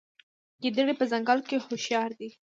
ګیدړ په ځنګل کې هوښیار دی.